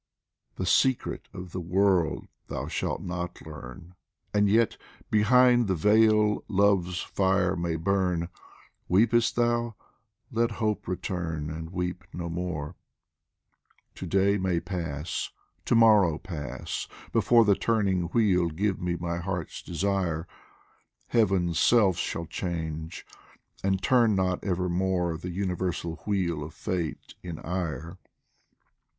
The secret of the world thou shalt not learn, And yet behind the veil Love's fire may burn Weep'st thou ? let hope return and weep no more ! To day may pass, to morrow pass, before The turning wheel give me my heart's desire ; Heaven's self shall change, and turn not evermore The universal wheel of Fate in ire.